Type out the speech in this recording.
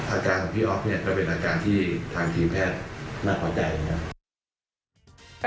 อาการของพี่อ๊อฟเนี่ยก็เป็นอาการที่ทางทีมแพทย์น่าพอใจนะครับ